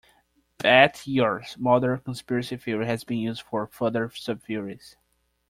Bat Ye'or's "Mother conspiracy theory" has been used for further subtheories.